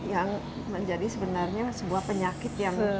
yang menjadi sebenarnya sebuah penyakit yang